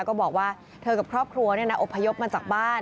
ก็บอกว่าเธอกับครอบครัวอบพยพมาจากบ้าน